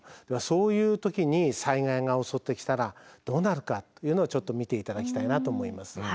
そういう時に災害が襲ってきたらどうなるかっていうのをちょっと見て頂きたいなと思います。